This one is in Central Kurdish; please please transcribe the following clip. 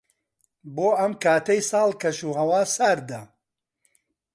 بۆ ئەم کاتەی ساڵ، کەشوهەوا ساردە.